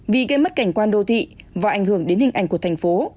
vì gây mất cảnh quan đô thị và ảnh hưởng đến hình ảnh của thành phố